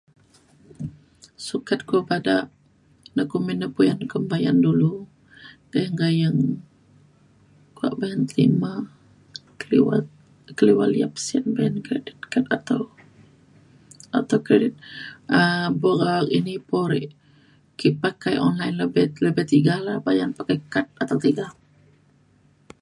sukat ku bada de kumbin de puyan kem bayan dulu tei gayeng kuak ban [unintelligible] keliwa liap sin kredit kad atau atau kredit. um buk um ini po re ke pakai online lebih lebih tiga la bayan pakai kad atek tiga.